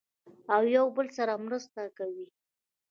او یو بل سره مرسته کوي.